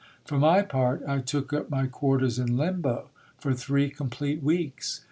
For my part, I took up my quarters in limbo for three complete weeks.